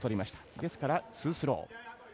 ですから、ツースロー。